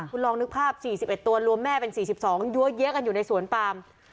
คุณลองนึกภาพสี่สิบเอ็ดตัวรวมแม่เป็นสี่สิบสองยังเยอะแยะกันอยู่ในสวนปลาม